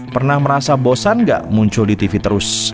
pernah merasa bosan gak muncul di tv terus